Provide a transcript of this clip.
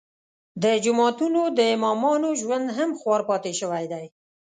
د جوماتونو د امامانو ژوند هم خوار پاتې شوی دی.